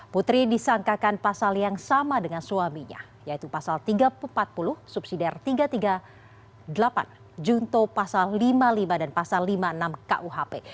putri disangkakan pasal yang sama dengan suaminya yaitu pasal tiga ratus empat puluh subsidi r tiga ratus tiga puluh delapan junto pasal lima puluh lima dan pasal lima puluh enam kuhp